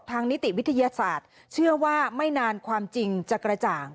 นิติวิทยาศาสตร์เชื่อว่าไม่นานความจริงจะกระจ่าง